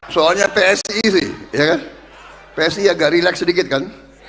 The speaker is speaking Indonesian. soalnya psi sih psi agak relax sedikit kan